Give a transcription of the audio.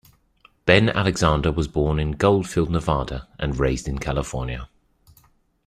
Ben Alexander was born in Goldfield, Nevada, and raised in California.